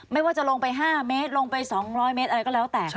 ไม่ว่าจะลงไป๕เมตรลงไป๒๐๐เมตรอะไรก็แล้วแต่